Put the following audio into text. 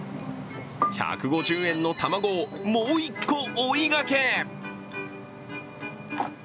１５０円の卵を、もう一個追いがけ。